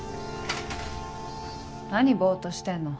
何ボっとしてんの？